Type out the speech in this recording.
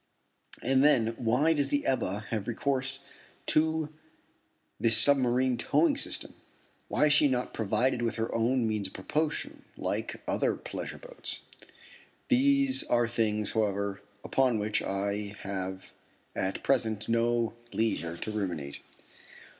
And then, why does the Ebba have recourse to this submarine towing system? Why is she not provided with her own means of propulsion, like other pleasure boats? These are things, however, upon which I have at present no leisure to ruminate.